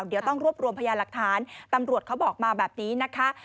เดี๋ยวต้องรวบรวมพยานหลักฐานตำรวจเขาบอกมาแบบนี้นะคะ